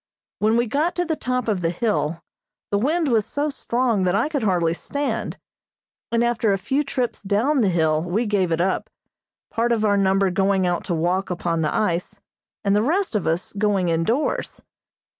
When we got to the top of the hill the wind was so strong that I could hardly stand, and after a few trips down the Hill we gave it up, part of our number going out to walk upon the ice, and the rest of us going indoors.